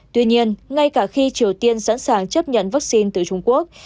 tuy nhiên ngay cả khi triều tiên sẵn sàng chấp nhận vaccine từ trung quốc